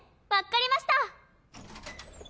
わっかりました！